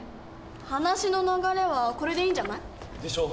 話の流れはこれでいいんじゃない？でしょ。